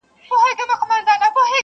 • جنابِ عشقه ما کفن له ځان سره راوړی..